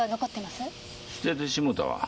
捨ててしもたわ。